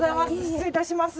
失礼致します。